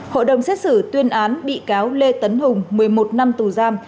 hội đồng xét xử tuyên án bị cáo lê tấn hùng một mươi một năm tù giam